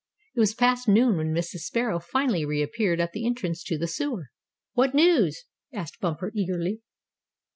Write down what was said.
It was past noon when Mrs. Sparrow finally reappeared at the entrance to the sewer. "What news?" asked Bumper, eagerly.